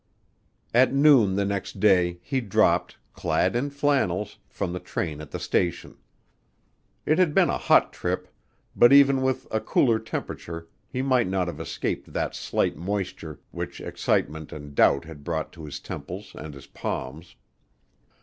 At noon the next day he dropped, clad in flannels, from the train at the station. It had been a hot trip, but even with a cooler temperature he might not have escaped that slight moisture which excitement and doubt had brought to his temples and his palms.